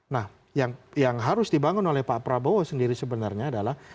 nah yang harus dibangun oleh pak prabowo sendiri sebenarnya adalah